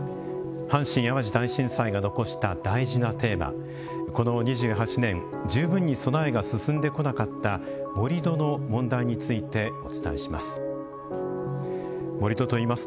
阪神・淡路大震災が残した大事なテーマこの２８年十分に備えが進んでこなかった盛土の問題についてお伝えします。